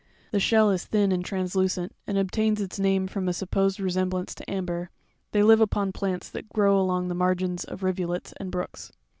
26): the shell is thin and translucent, and obtains its name from a supposed resemblance to amber: they live upon plants that grow along the margins ef rivulets and brooks.